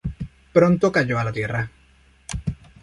Pronto cayó a la Tierra.